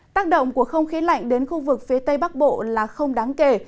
tác động của không khí lạnh đến khu vực phía tây bắc bộ là không đáng kể